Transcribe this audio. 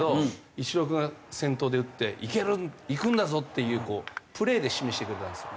イチロー君が先頭で打っていけるいくんだぞ！っていうプレーで示してくれたんですよ。